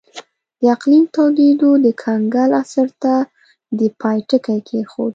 د اقلیم تودېدو د کنګل عصر ته د پای ټکی کېښود